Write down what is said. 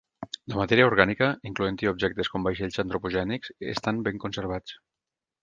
La matèria orgànica, incloent-hi objectes com vaixells antropogènics, estan ben conservats.